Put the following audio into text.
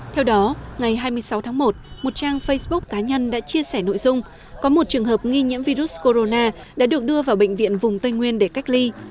theo đó ngày hai mươi sáu tháng một một trang facebook cá nhân đã chia sẻ nội dung có một trường hợp nghi nhiễm virus corona đã được đưa vào bệnh viện vùng tây nguyên để cách ly